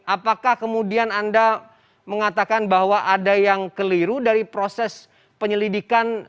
apakah kemudian anda mengatakan bahwa ada yang keliru dari proses penyelidikan